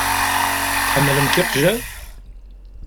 Tḥemmlemt iqjan?